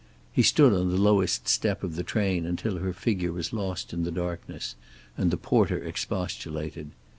He stood on the lowest step of the train until her figure was lost in the darkness, and the porter expostulated.